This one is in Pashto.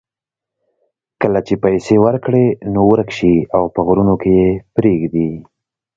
کله چې پیسې ورکړې نو ورک شي او په غرونو کې یې پرېږدي.